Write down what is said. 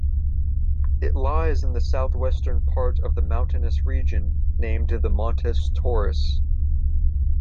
It lies in the southwestern part of the mountainous region named the Montes Taurus.